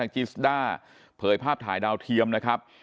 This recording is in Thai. จิสด้าเผยภาพถ่ายดาวเทียมนะครับ